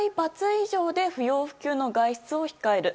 以上で不要不急の外出を控える。